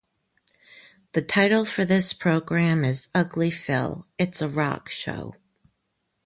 The title for this program is "Ugly Phil - It's A Rock Show".